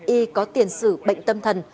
y có tiền xử bệnh tâm thần